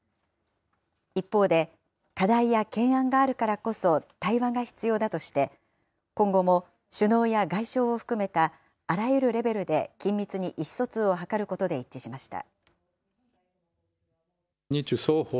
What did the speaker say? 一方で、課題や懸案があるからこそ対話が必要だとして、今後も首脳や外相を含めたあらゆるレベルで緊密に意思疎通を図ることで一致しました。